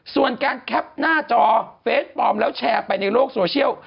ส่วนการแคปหน้าจอเฟสปลอมแล้วแชร์ไปในโลกโซเชียล